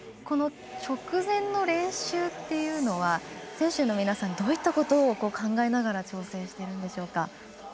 直前の練習というのは選手の皆さんどういったことを考えながら調整してるんでしょうか。